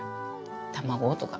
卵とか。